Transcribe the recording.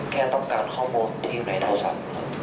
แค่ต้องการข้อมูลอยู่ในนเจ้าชัด